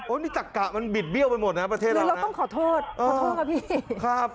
โอ้ยนี่จักรกะมันบิดเบี้ยวไปหมดนะประเทศเราคือเราต้องขอโทษขอโทษครับพี่